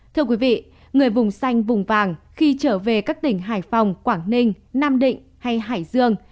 thưa quý vị người vùng xanh vùng vàng khi trở về các tỉnh hải phòng quảng ninh nam định hay hải dương